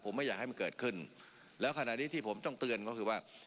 ผมไม่อยากให้มันเกิดขึ้นแล้วขณะนี้ที่ผมต้องเตือนก็คือว่า